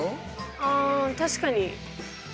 あ確かに。